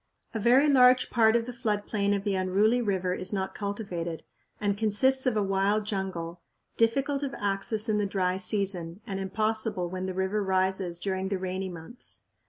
A very large part of the flood plain of the unruly river is not cultivated, and consists of a wild jungle, difficult of access in the dry season and impossible when the river rises during the rainy months.